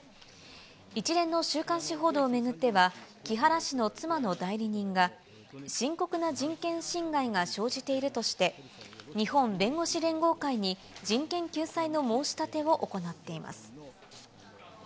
一連の週刊誌報道を巡っては、木原氏の妻の代理人が、深刻な人権侵害が生じているとして、日本弁護士連合会に、人権救済の申し立てを行っています。